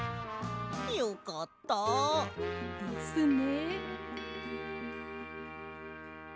よかった。ですね。